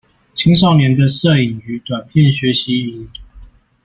青少年的攝影與短片學習營